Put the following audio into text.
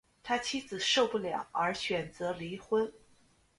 他妻子受不了而选择离婚